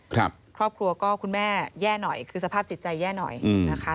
ครอบครัวก็คุณแม่แย่หน่อยคือสภาพจิตใจแย่หน่อยนะคะ